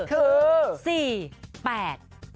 คือ